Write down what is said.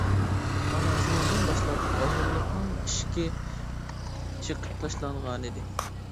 مانا شۇنىڭدىن باشلاپ مەۋھۇملۇقنىڭ ئىشكى چېقىپ تاشلانغانىدى.